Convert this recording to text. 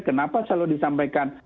kenapa selalu disampaikan